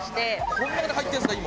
この中に入ってるんですか？